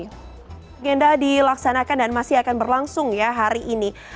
agenda dilaksanakan dan masih akan berlangsung ya hari ini